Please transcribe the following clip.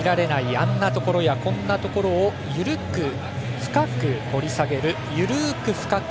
あんなところや、こんなところを緩く、深く掘り下げる「ゆるく深く！